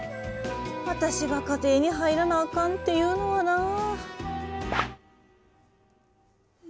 私が家庭に入らなあかんっていうのはな。